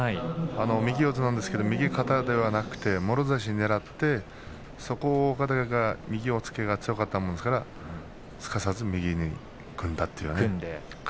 右四つなんですけど右肩ではなくてもろ差しをねらってそこを若隆景が右押っつけが強かったものですからすかさず右に組んだという。